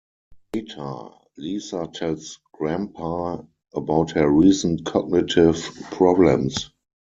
Later, Lisa tells Grampa about her recent cognitive problems.